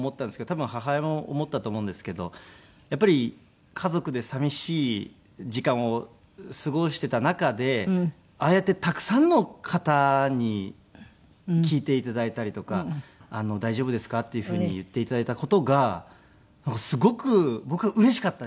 多分母親も思ったと思うんですけどやっぱり家族で寂しい時間を過ごしていた中でああやってたくさんの方に聞いて頂いたりとか「大丈夫ですか？」っていうふうに言って頂いた事がなんかすごく僕はうれしかったです。